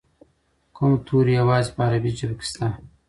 کوم توري یوازې په عربي ژبه کې شته؟